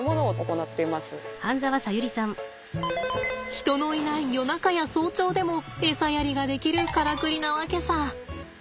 人のいない夜中や早朝でもエサやりができるからくりなわけさ。